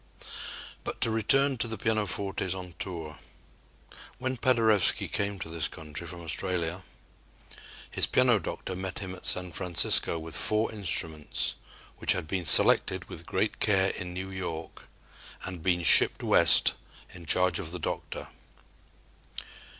But to return to the pianofortes on tour. When Paderewski came to this country from Australia, his piano doctor met him at San Francisco with four instruments which had been selected with great care in New York and been shipped West in charge of the "doctor."